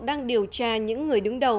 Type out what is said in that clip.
đang điều tra những người đứng đầu